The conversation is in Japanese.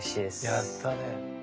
やったね。